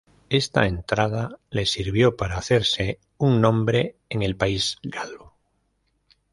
Esta entrada le sirvió para hacerse un nombre en el país galo.